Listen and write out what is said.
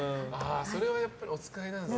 それはやっぱりお使いなんですね。